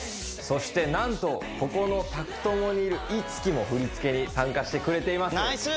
そしてなんとここの宅トモにいる樹も振り付けに参加してくれていますナイス！